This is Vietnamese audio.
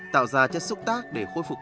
tạo ra chất xúc tác để khôi phục